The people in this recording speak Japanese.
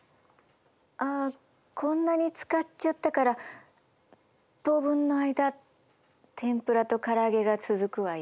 あこんなに使っちゃったから当分の間天ぷらとからあげが続くわよ。